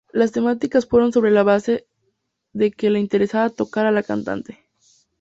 Las temáticas fueron sobre la base de que le interesaba tocar a la cantante.